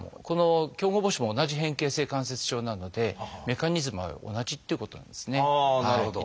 この強剛母趾も同じ変形性関節症なのでメカニズムは同じっていうことなんですね。